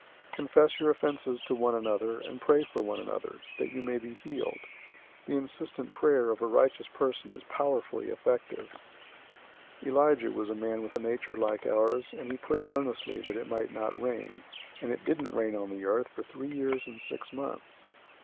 005:016 Confess your offenses to one another, and pray for one another, that you may be healed. The insistent prayer of a righteous person is powerfully effective. 005:017 Elijah was a man with a nature like ours, and he prayed earnestly that it might not rain, and it didn't rain on the earth for three years and six months.